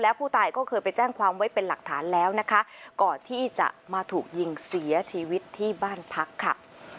ผู้ตายก็เคยไปแจ้งความไว้เป็นหลักฐานแล้วนะคะก่อนที่จะมาถูกยิงเสียชีวิตที่บ้านพักค่ะ